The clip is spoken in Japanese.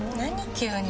急に。